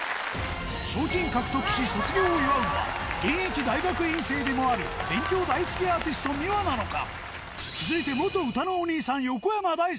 賞金獲得し卒業を祝うのは現役大学院生でもある勉強大好きアーティストｍｉｗａなのか？